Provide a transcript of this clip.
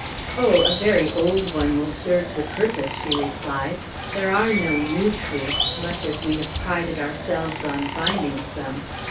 "Oh, a very old one will serve the purpose," she replied. "There are no new truths, much as we have prided ourselves on finding some.